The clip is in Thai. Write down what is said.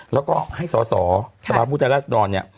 แล้วก็ให้สอสภาพผู้ใจล่าสดร